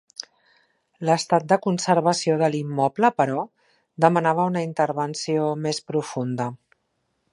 L'estat de conservació de l'immoble però, demanava una intervenció més profunda.